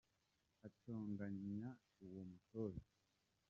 Atonganya uwo mutozo